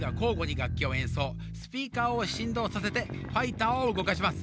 スピーカーをしんどうさせてファイターをうごかします。